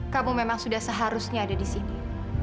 kamu memang sudah seharusnya ada disini